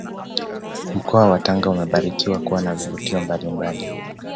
Mkoa wa Tanga umebarikiwa kuwa na vivutio mbalimbali